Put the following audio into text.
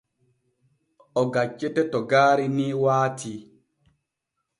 O gaccete to gaari ni waati.